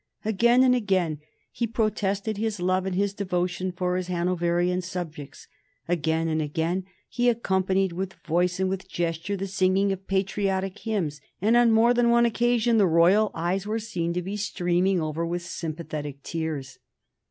Again and again he protested his love and his devotion for his Hanoverian subjects, again and again he accompanied with voice and with gesture the singing of patriotic hymns, and on more than one occasion the royal eyes were seen to be streaming over with sympathetic tears.